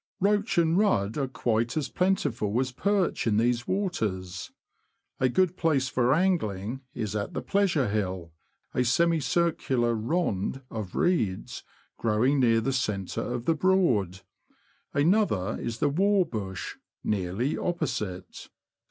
Roach and rudd are quite as plentiful as perch in these waters. A good place for angling is at the Pleasure Hill, a semicircular " rond " of reeds growing near the centre of the Broad ; another is the Wor Bush, nearly opposite.